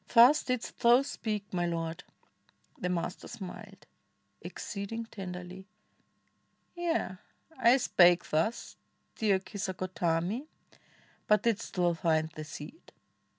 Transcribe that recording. Thus didst thou speak, my Lord!" The Master smiled Exceeding tenderly. "Yea! I spake thus, Dear Kisagotami! But didst thou find ' The seed?"